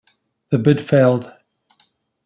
The bid failed.